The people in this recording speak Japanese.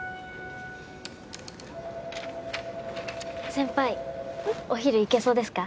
先輩お昼行けそうですか？